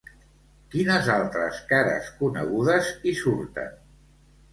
Quines altres cares conegudes hi surten?